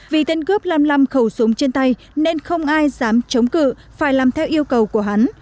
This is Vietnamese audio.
vì tên cướp làm lăm khẩu súng trên tay nên không ai dám chống cự phải làm theo yêu cầu của hắn